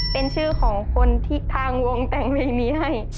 เป็นชื่อของคนที่ทางวงแต่งเพลงนี้ให้